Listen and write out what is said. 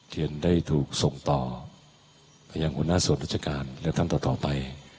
เทียนได้ถูกส่งต่อไปยังหัวหน้าส่วนราชการและท่านต่อไป